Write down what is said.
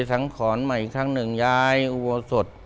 พี่สังขรมาอีกครั้งหนึ่งย้ายอุโวสด